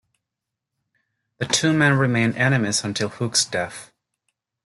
The two men remained enemies until Hooke's death.